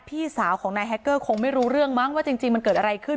พี่สาวของนายแฮคเกอร์คงไม่รู้เรื่องมั้งว่าจริงมันเกิดอะไรขึ้น